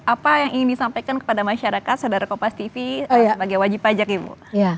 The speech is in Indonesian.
apa yang ingin disampaikan kepada masyarakat saudara kompas tv sebagai wajib pajak ibu